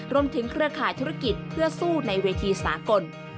เครือข่ายธุรกิจเพื่อสู้ในเวทีสากล